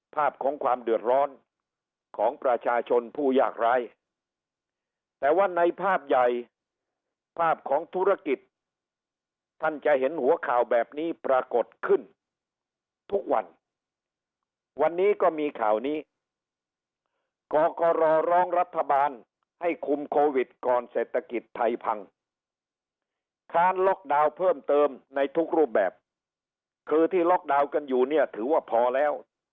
ภาพของความเดือดร้อนของประชาชนผู้ยากร้ายแต่ว่าในภาพใหญ่ภาพของธุรกิจท่านจะเห็นหัวข่าวแบบนี้ปรากฏขึ้นทุกวันวันนี้ก็มีข่าวนี้กรกรร้องรัฐบาลให้คุมโควิดก่อนเศรษฐกิจไทยพังค้านล็อกดาวน์เพิ่มเติมในทุกรูปแบบคือที่ล็อกดาวน์กันอยู่เนี่ยถือว่าพอแล้ว